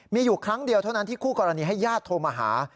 มีอยู่ครั้งเดียวเท่านั้นที่คู่กรณีให้ญาติโทรมาหา